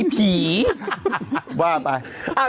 อีผีบ้าไป